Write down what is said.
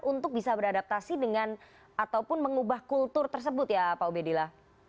untuk bisa beradaptasi dengan ataupun mengubah kultur tersebut ya pak ubedillah